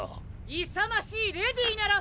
・いさましいレディーなら！